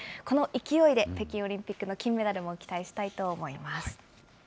この勢いで、北京オリンピックの金メダルも期待したいと思います。